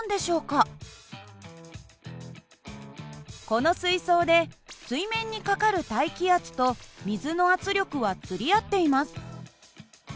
この水槽で水面にかかる大気圧と水の圧力は釣り合っています。